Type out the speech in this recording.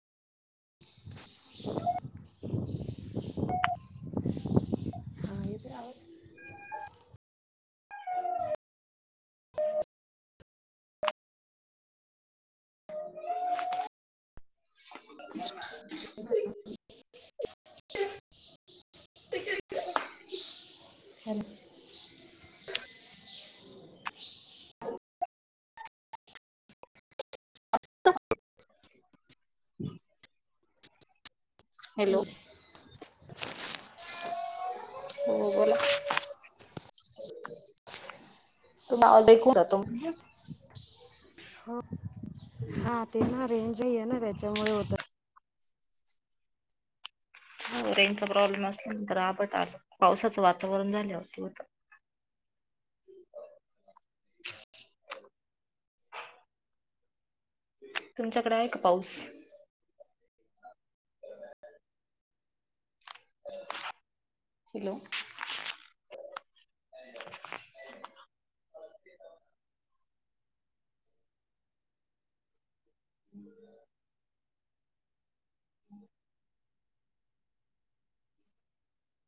[inaudible] [inaudible] हा येतो का आवाज. [inaudible] [inaudible] हॅलो. [inaudible] हॅलो एक [inaudible] हो बोला? तुला आवाज ऐकून जातो. हो हा तेना रेंजही नाही आहे ना. त्याच्यामुळे होत. रेजचा प्रॉब्लेम असल्यानंतर, आभाळ आल. पावसाचं वातावरण झाल्यावरती होत. तुमच्याकडे आहे का पाऊस? हॅलो, [inaudible] [inaudible]